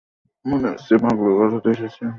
মনে হচ্ছে পাগলাগারদে এসেছি আমরা!